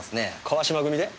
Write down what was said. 川島組で？